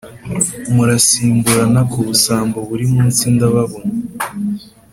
Murasimburana ku busambo burimunsi ndababona